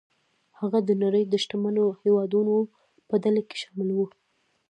هغه د نړۍ د شتمنو هېوادونو په ډله کې شامل و.